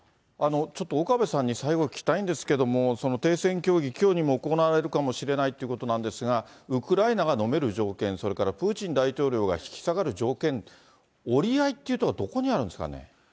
ちょっと岡部さんに最後、聞きたいんですけれども、停戦協議、きょうにも行われるかもしれないということなんですが、ウクライナが飲める条件、それからプーチン大統領が引き下がる条件、折り合いっていうのは、どこにあるんですかね。